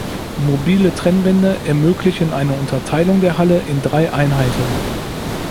Mobile Trennwände ermöglichen eine Unterteilung der Halle in drei Einheiten.